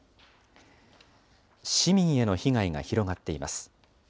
市民への被害が広がっています。